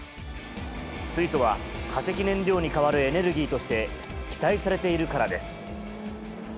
水素は化石燃料に代わるエネルギーとして期待されているからです。